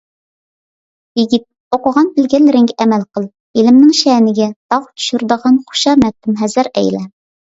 يىگىت، ئوقۇغان - بىلگەنلىرىڭگە ئەمەل قىل، بىلىمنىڭ شەنىگە داغ چۈشۈرىدىغان خۇشامەتتىن ھەزەر ئەيلە!